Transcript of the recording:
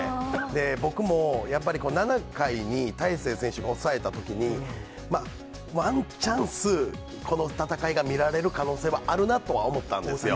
僕もやっぱり７回に大勢選手が抑えたときに、ワンチャンス、この戦いが見られる可能性はあるなとは思ったんですよ。